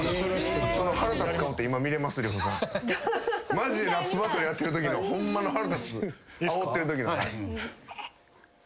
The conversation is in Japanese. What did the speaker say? マジでラップバトルやってるときのホンマの腹立つあおってるときの。